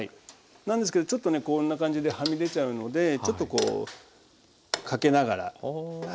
なんですけどちょっとねこんな感じではみ出ちゃうのでちょっとこうかけながら。